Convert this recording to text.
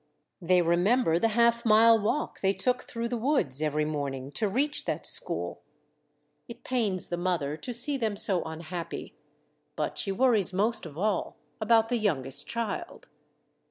They remember the half mile walk they took through the woods every morning to reach that school. It pains the mother to see them so un happy, but she worries most of all about the youngest child.